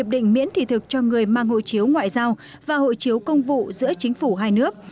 định miễn thị thực cho người mang hộ chiếu ngoại giao và hộ chiếu công vụ giữa chính phủ hai nước